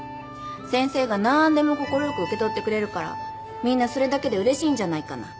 先生が何でも快く受け取ってくれるからみんなそれだけでうれしいんじゃないかな。